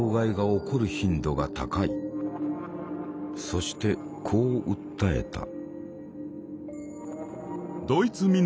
そしてこう訴えた。